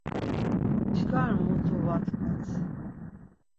Çkar mutu va tkvat.